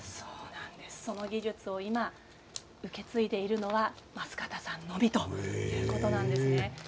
その技術を今受け継いでいるのは増形さんのみということなんです。